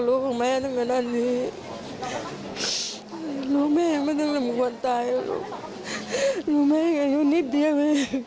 ลูกแม่อยู่นิดเดียว